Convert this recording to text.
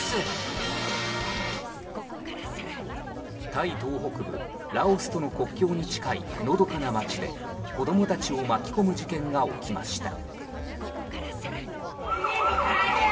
タイ東北部ラオスとの国境に近いのどかな町で子供たちを巻き込む事件が起きました。